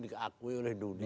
dikakui oleh dunia